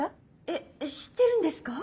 えっ知ってるんですか？